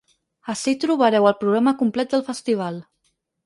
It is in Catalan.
Ací trobareu el programa complet del festival.